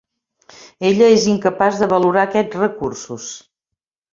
Ella és incapaç de valorar aquests recursos.